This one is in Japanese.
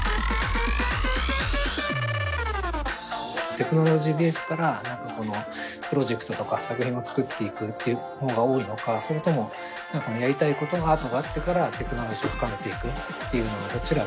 テクノロジーベースから何かプロジェクトとか作品を作っていくっていうほうが多いのかそれともやりたいことアートがあってからテクノロジーを深めていくっていうのどちらが多いですかね？